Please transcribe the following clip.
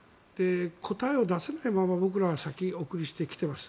答えを出せないまま僕らは先送りにしてきています。